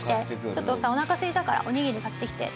ちょっとさおなかすいたからおにぎり買ってきて。